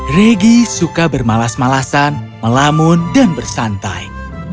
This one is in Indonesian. regi suka bermalas malasan melamun dan bersantai